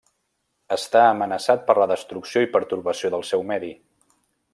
Està amenaçat per la destrucció i pertorbació del seu medi.